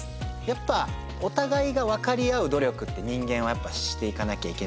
やっぱおたがいがわかり合う努力って人間はしていかなきゃいけない。